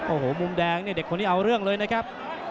โอ้โหมุมแดงเนี่ยเด็กคนนี้เอาเรื่องเลยนะครับ